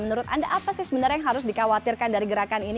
menurut anda apa sih sebenarnya yang harus dikhawatirkan dari gerakan ini